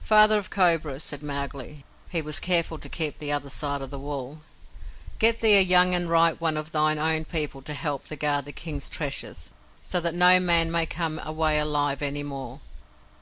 "Father of Cobras," said Mowgli (he was careful to keep the other side of the wall), "get thee a young and ripe one of thine own people to help thee guard the King's Treasure, so that no man may come away alive any more."